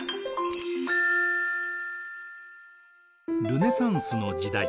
ルネサンスの時代。